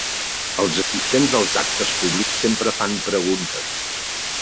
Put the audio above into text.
Els assistents als actes públics sempre fan preguntes.